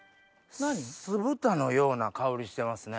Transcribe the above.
酢豚のような香りしてますね。